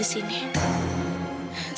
aku mau tidur disini